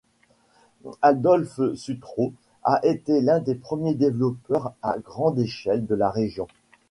Adolph Sutro a été l'un des premiers développeurs à grande échelle de la région.